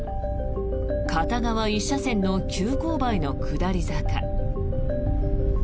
片側１車線の急勾配の下り坂。